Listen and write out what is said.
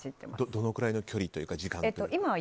どのくらいの距離というか時間を。